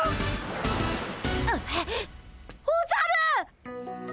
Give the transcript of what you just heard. おじゃる！